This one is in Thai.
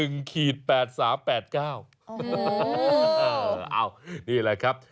นี่แหละครับ